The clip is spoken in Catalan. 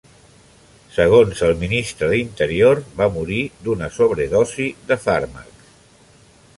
Segons el Ministre d'Interior, va morir d'una sobredosi de fàrmacs.